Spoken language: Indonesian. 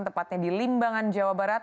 tepatnya di limbangan jawa barat